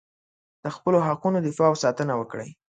د خپلو حقونو دفاع او ساتنه وکړئ.